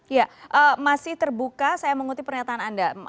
ya masih terbuka saya mengutip pernyataan anda